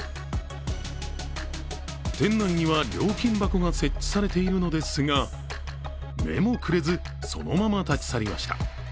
店内には料金箱が設置されているのですが目もくれず、そのまま立ち去りました。